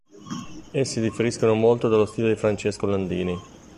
Essi differiscono molto dallo stile di Francesco Landini.